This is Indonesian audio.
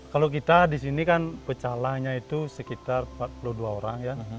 kalau kita di sini kan pecalangnya itu sekitar empat puluh dua orang ya